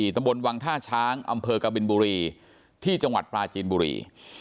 ตำบลวังท่าช้างอำเภอกบินบุรีที่จังหวัดปลาจีนบุรี